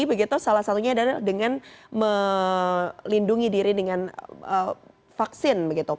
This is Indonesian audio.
begitu salah satunya adalah dengan melindungi diri dengan vaksin